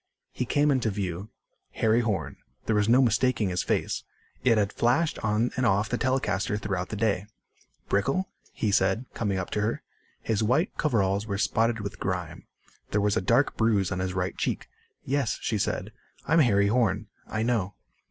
He came into view. Harry Horn. There was no mistaking his face. It had flashed on and off the telecaster throughout the day. "Brickel?" he said, coming up to her. His white coveralls were spotted with grime. There was a dark bruise on his right cheek. "Yes," she said. "I'm Harry Horn." "I know."